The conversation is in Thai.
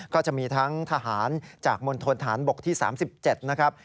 ก็จะมีทั้งทหารจากมณฑนฐานบกที่๓๗นะครับ